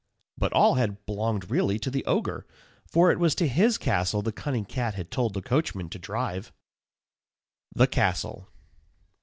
But all had belonged really to the ogre, for it was to his castle the cunning cat had told the coachman to drive. _THE CASTLE.